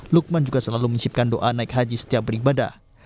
lukman juga selalu menyisipkan doa naik haji setiap beribadah